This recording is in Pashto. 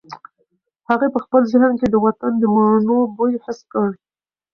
هغې په خپل ذهن کې د وطن د مڼو بوی حس کړ.